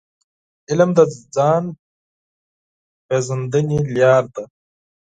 علم د ځان پېژندني لار ده.